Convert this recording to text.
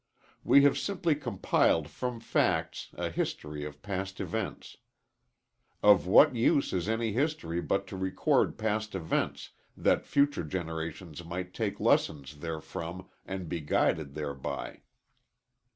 We have simply compiled from facts a history of past events. Of what use is any history but to record past events that future generations might take lessons therefrom and be guided thereby?